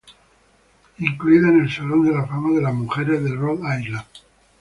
Fue incluida en el Salón de la fama de las mujeres de Rhode Island.